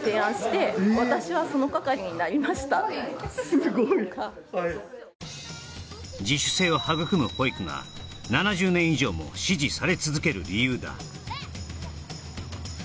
すごいはい自主性を育む保育が７０年以上も支持され続ける理由だ